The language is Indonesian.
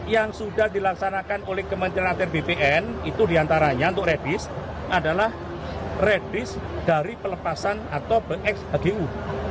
yang sudah dilaksanakan oleh kementerian akter bpn itu diantaranya untuk reddisk adalah reddisk dari pelepasan atau shgu